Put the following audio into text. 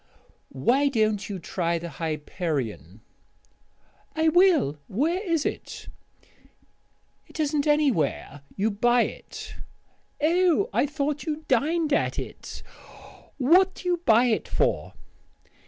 "Why don't you try the Hyperion?" "I will. Where is it?" "It isn't anywhere; you buy it." "Oh, I thought you dined at it. What do you buy it for?"